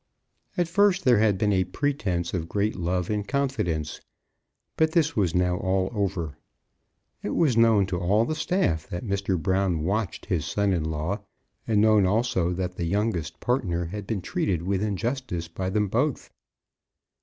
At first there had been a pretence of great love and confidence, but this was now all over. It was known to all the staff that Mr. Brown watched his son in law, and known also that the youngest partner had been treated with injustice by them both.